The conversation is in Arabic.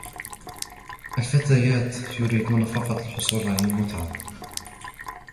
الفتيات يريدون فقط الحصول على المتعة.